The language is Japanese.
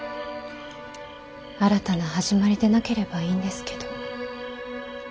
新たな始まりでなければいいんですけど。